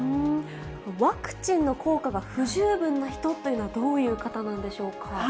ワクチンの効果が不十分な人というのは、どういう方なんでしょうか。